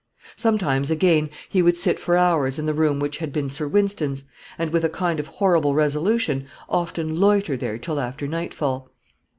Sometimes, again, he would sit for hours in the room which had been Sir Wynston's, and, with a kind of horrible resolution, often loiter there till after nightfall.